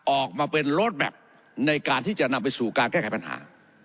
ออกมาเป็นโลดแมพในการที่จะนำไปสู่การแก้ไขปัญหา